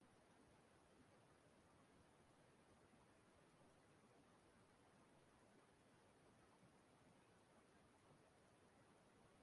Mgbidi ahụ bụ ụrọ nke a na-ese n'ime ya ma jiri ya tụnyere ụrọ.